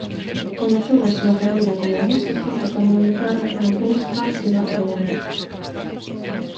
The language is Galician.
Comezou a súa carreira como músico tocando a guitarra nalgúns pubs de Barcelona.